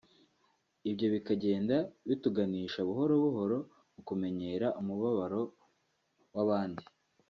ibyo bikagenda bituganisha buhoro buhoro mu kumenyera umubabaro w’abandi